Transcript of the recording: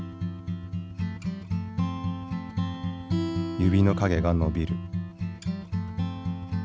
指の影が伸びる。